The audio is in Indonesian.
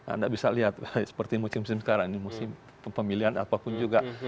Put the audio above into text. anda bisa lihat seperti musim musim sekarang ini musim pemilihan apapun juga